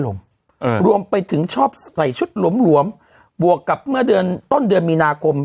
รวมไปถึงชอบใส่ชุดหลวมหลวมบวกกับเมื่อเดือนต้นเดือนมีนาคม